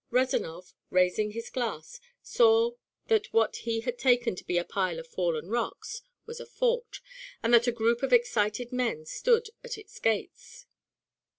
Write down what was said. Rezanov, raising his glass, saw that what he had taken to be a pile of fallen rocks was a fort, and that a group of excited men stood at its gates.